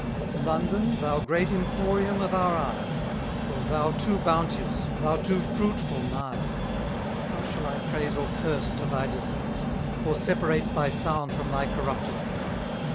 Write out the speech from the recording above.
London, thou great emporium of our isle, O thou too bounteous, thou too fruitful Nile! How shall I praise or curse to thy desert? Or separate thy sound from thy corrupted part?